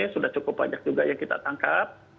sudah cukup banyak juga yang kita tangkap